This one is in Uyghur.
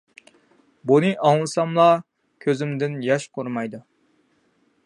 بۇنى ئاڭلىساملا كۆزۈمدىن ياش قۇرۇمايدۇ.